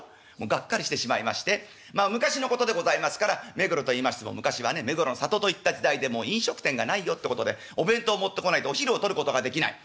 がっかりしてしまいましてまあ昔のことでございますから目黒といいましても昔はね目黒の里と言った時代でもう飲食店がないよってことでお弁当持ってこないとお昼をとることができない。